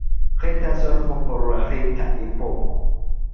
Reta solvo por la reta epoko.